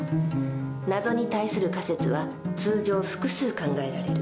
謎に対する仮説は通常複数考えられる。